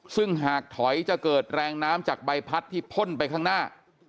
ซึ่งหากถอยจะเกิดแรงน้ำจากใบพัดที่พ่นไปข้างหน้า